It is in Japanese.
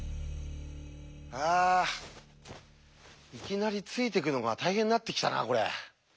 あいきなりついていくのが大変になってきたなこれ。